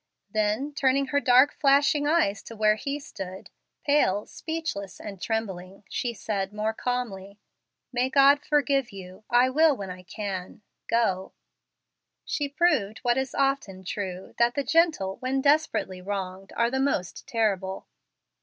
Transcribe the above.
Then turning her dark and flashing eyes to where he stood, pale, speechless, and trembling, she said, more calmly, "May God forgive you. I will when I can. Go." She proved what is often true, that the gentle, when desperately wronged, are the most terrible.